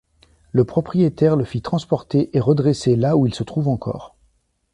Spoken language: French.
Le propriétaire le fit transporter et redresser là où il se trouve encore.